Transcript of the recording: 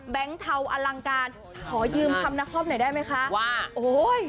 เทาอลังการขอยืมคำนครปหน่อยได้ไหมคะว่าโอ้ย